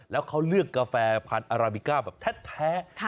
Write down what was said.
แล้วเขาเลือกกาแฟพันธุ์อาราบิก้าแบบแท้